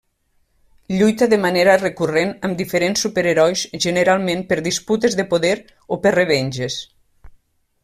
Lluita de manera recurrent amb diferents superherois generalment per disputes de poder o per revenges.